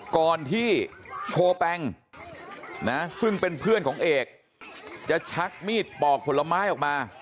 ก่อนที่โชแปงนะซึ่งเป็นเพื่อนของเอกจะชักมีดปอกผลไม้ออกมา